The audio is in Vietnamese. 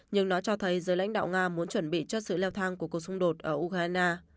nhưng nó cho thấy giới lãnh đạo nga muốn chuẩn bị cho sự leo thang của cuộc xung đột ở ukraine